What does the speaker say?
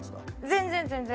全然全然。